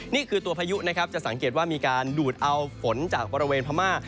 นี่คือตัวพายุนะครับจะสังเกตว่ามีการดูดเอาฝนจากบริเวณพม่า